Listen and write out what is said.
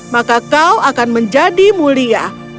maka kau akan menjadi mulia